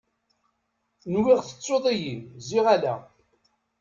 Nwiɣ tettuḍ-iyi ziɣ ala.